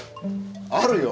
あるよ。